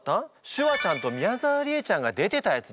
シュワちゃんと宮沢りえちゃんが出てたやつでしょ？